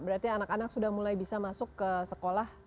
berarti anak anak sudah mulai bisa masuk ke sekolah